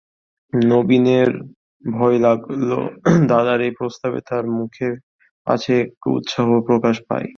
নবীনের ভয় লাগল, দাদার এই প্রস্তাবে তার মুখে পাছে একটুও উৎসাহ প্রকাশ পায়।